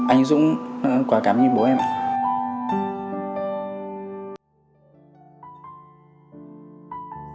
anh dũng quá cảm nhận bố em ạ